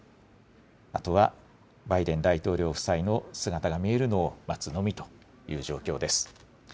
あとはバイデン大統領夫妻の姿が見えるのを待つのみという状況です。